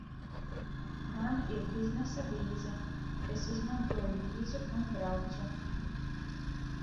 Man ir biznesa vīza. Es izmantoju vīzu un braucu.